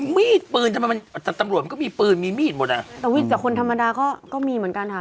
มีดปืนทำไมมันตำรวจมันก็มีปืนมีมีดหมดอ่ะแต่มีดกับคนธรรมดาก็ก็มีเหมือนกันค่ะ